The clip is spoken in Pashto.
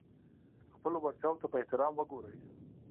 خپلو وړتیاوو ته په احترام وګورئ.